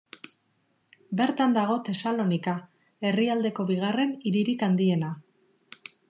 Bertan dago Tesalonika, herrialdeko bigarren hiririk handiena.